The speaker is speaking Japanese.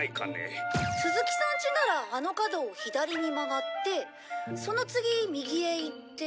ちならあの角を左に曲がってその次右へ行って」